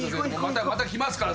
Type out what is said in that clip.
また来ますから。